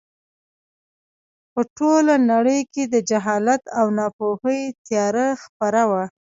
په ټوله نړۍ کې د جهالت او ناپوهۍ تیاره خپره وه.